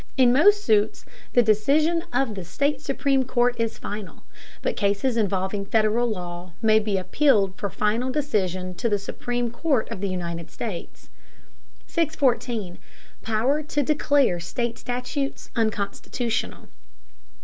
In most suits the decision of the state supreme court is final, but cases involving Federal law may be appealed for final decision to the Supreme Court of the United States. 614. POWER TO DECLARE STATE STATUTES UNCONSTITUTIONAL.